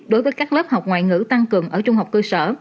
đối với các lớp học ngoại ngữ tăng cường ở trung học cơ sở